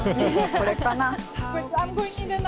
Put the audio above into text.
これかな。